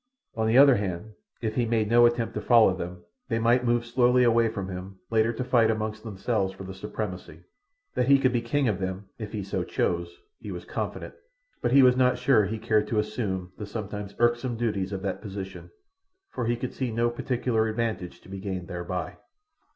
On the other hand, if he made no attempt to follow them, they might move slowly away from him, later to fight among themselves for the supremacy. That he could be king of them, if he so chose, he was confident; but he was not sure he cared to assume the sometimes irksome duties of that position, for he could see no particular advantage to be gained thereby.